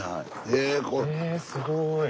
えすごい。